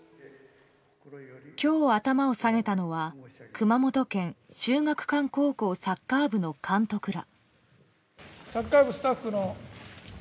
今日頭を下げたのは熊本県秀岳館高校サッカー部の監督ら。